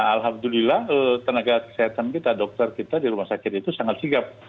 alhamdulillah tenaga kesehatan kita dokter kita di rumah sakit itu sangat sigap